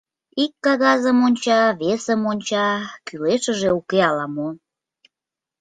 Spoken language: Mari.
Ик кагазым онча, весым онча — кӱлешыже уке ала-мо.